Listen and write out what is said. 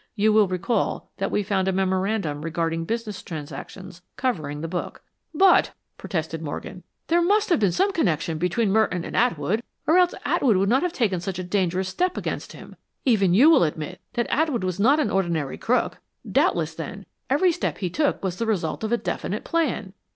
You will recall that we found a memorandum regarding business transactions covering the book." "But," protested Morgan, "there must have been some connection between Merton and Atwood or else Atwood would not have taken such a dangerous step against him. Even you will admit that Atwood was not an ordinary crook. Doubtless, then, every step he took was the result of a definite plan."